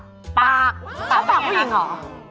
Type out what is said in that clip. ปากปากผู้หญิงเหรอ